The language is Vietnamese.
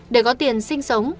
để có tiền sinh sống